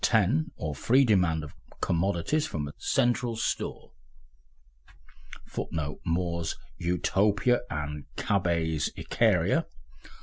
IX.] or free demand of commodities from a central store [Footnote: More's Utopia and Cabet's Icaria.